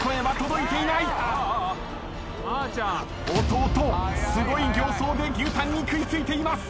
弟すごい形相で牛タンに食い付いています。